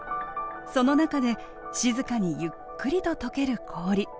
その中で静かにゆっくりと溶ける氷。